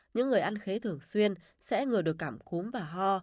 những người ăn khế thường xuyên sẽ ngừa được cảm cúm và ho